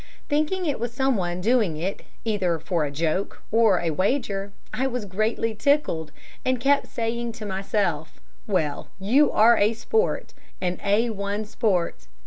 Thinking it was someone doing it either for a joke or a wager, I was greatly tickled, and kept saying to myself, 'Well, you are a sport, an A1 sport.'